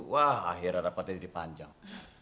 wah akhirnya rapatnya jadi panjang